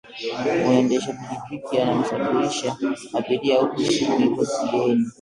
Mwendesha pikipiki anamsafirisha abiria huku simu ipo sikioni